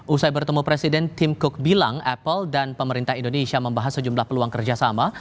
usai bertemu presiden tim cook bilang apple dan pemerintah indonesia membahas sejumlah peluang kerjasama